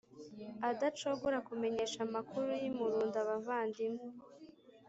adacogora kumenyesha amakuru y’i murunda abavandimwe,